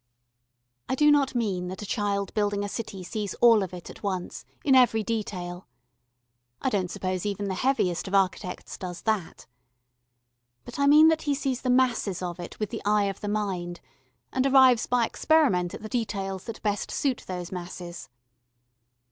I do not mean that a child building a city sees all of it at once in every detail; I don't suppose even the heaviest of architects does that. But I mean that he sees the masses of it with the eye of the mind and arrives by experiment at the details that best suit those masses.